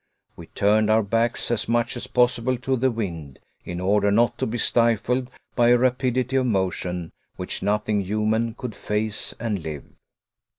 We turned our backs as much as possible to the wind, in order not to be stifled by a rapidity of motion which nothing human could face and live.